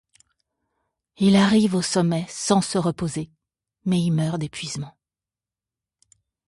Il arrive au sommet sans se reposer, mais y meurt d'épuisement.